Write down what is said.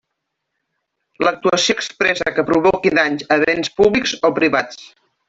L'actuació expressa que provoqui danys a béns públics o privats.